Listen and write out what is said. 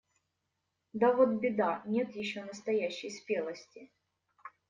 Да вот беда: нет еще настоящей спелости.